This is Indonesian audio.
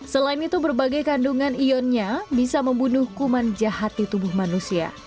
selain itu berbagai kandungan ionnya bisa membunuh kuman jahat di tubuh manusia